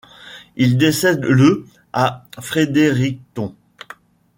Il décède le à Frédéricton.